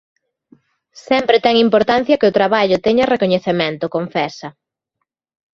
Sempre ten importancia que o traballo teña recoñecemento, confesa.